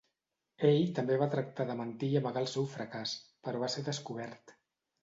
Ell també va tractar de mentir i amagar el seu fracàs, però va ser descobert.